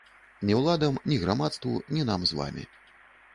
Ні ўладам, ні грамадству, ні нам з вамі.